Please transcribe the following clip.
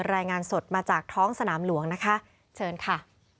รายงานสดมาจากท้องสนามหลวงนะคะเชิญค่ะ